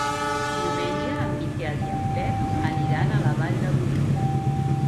Diumenge en Miquel i en Pep aniran a la Vall de Boí.